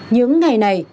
những ngày này